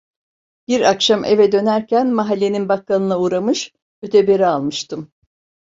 Bir akşam eve dönerken mahallenin bakkalına uğramış, öteberi almıştım.